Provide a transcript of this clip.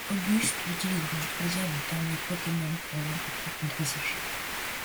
Auguste l'utilisera en troisième et dernier Pokemon pour l'emporter contre Sacha.